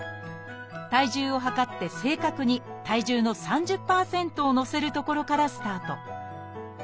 体重を量って正確に体重の３０％をのせるところからスタート